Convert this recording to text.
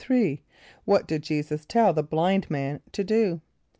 = What did J[=e]´[s+]us tell the blind man to do?